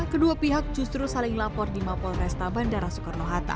kedua pihak justru saling lapor di mapol resta bandara soekarno hatta